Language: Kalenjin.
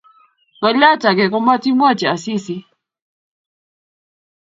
Ngolyot age komatimwochi Asisi